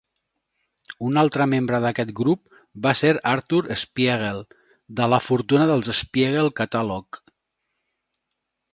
Un altre membre d'aquest grup va ser Arthur Spiegel, de la fortuna del Spiegel Catalog.